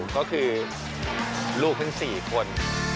ก็คือลูกทั้ง๔คน